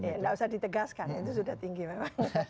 iya gak usah ditegaskan itu sudah tinggi memang